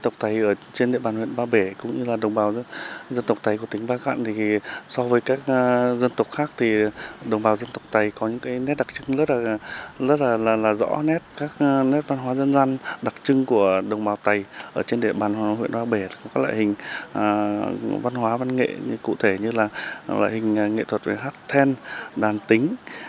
các loại hình văn hóa văn nghệ cụ thể như là loại hình nghệ thuật về hát then đàn tính